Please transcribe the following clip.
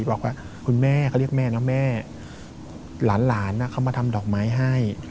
บอกว่าคุณแม่เขาเรียกแม่นะแม่หลานเขามาทำดอกไม้ให้